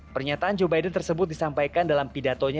pernyataan joe biden tersebut disampaikan dalam pidatonya